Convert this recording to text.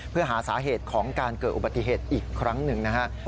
เพื่อหาสาเหตุของการเกิดอุบัติเหตุอีกครั้งหนึ่งนะฮะ